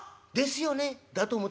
だと思った。